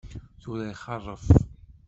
Tura ixeṛṛef.